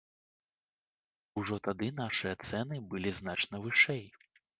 Ужо тады нашыя цэны былі значна вышэй.